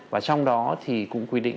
và trong đó thì cũng quy định